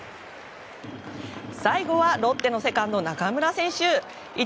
最後はロッテのセカンド中村選手。